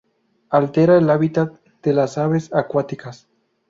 Altera el hábitat de las aves acuáticas.